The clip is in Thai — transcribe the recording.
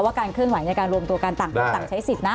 การเคลื่อนไหวในการรวมตัวกันต่างคนต่างใช้สิทธิ์นะ